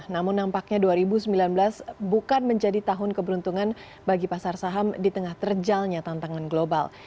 namun nampaknya dua ribu sembilan belas bukan menjadi tahun keberuntungan bagi pasar saham di tengah terjalnya tantangan global